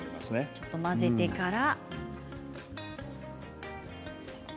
ちょっと混ぜてから。